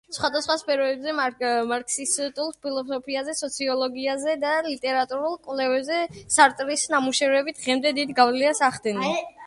სხვადასხვა სფეროებზე: მარქსისტულ ფილოსოფიაზე, სოციოლოგიაზე და ლიტერატურულ კვლევებზე, სარტრის ნამუშევრები დღემდე დიდ გავლენას ახდენენ.